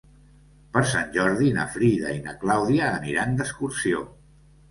Per Sant Jordi na Frida i na Clàudia aniran d'excursió.